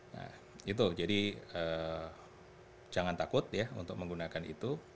nah itu jadi jangan takut ya untuk menggunakan itu